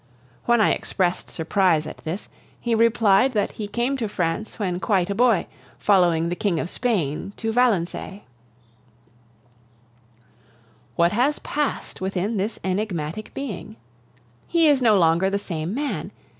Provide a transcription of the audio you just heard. When I expressed surprise at this, he replied that he came to France when quite a boy, following the King of Spain to Valencay. What has passed within this enigmatic being? He is no longer the same man.